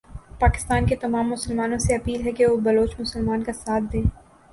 پاکستان کے تمام مسلمانوں سے اپیل ھے کہ وہ بلوچ مسلمان کا ساتھ دیں۔